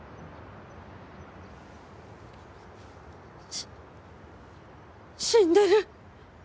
し死んでる！？